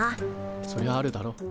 そりゃあるだろ。